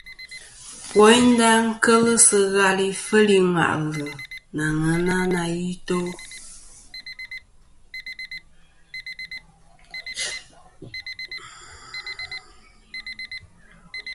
Woynda kel sɨ ghal ifel i ŋwà'lɨ nɨ aŋen na i to.